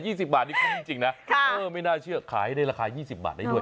เอาแต่๒๐บาทนี่คุณจริงนะไม่น่าเชื่อขายได้ราคา๒๐บาทได้ด้วย